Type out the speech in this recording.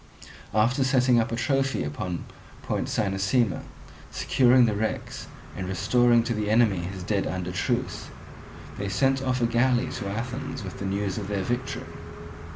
After setting up a trophy upon Point Cynossema, securing the wrecks, and restoring to the enemy his dead under truce, they sent off a galley to Athens with the news of their victory.